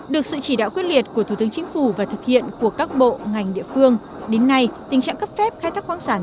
được sự chỉ đạo quyết liệt của thủ tướng chính phủ và thực hiện của các bộ ngành địa phương đến nay tình trạng cấp phép khai thác khoáng sản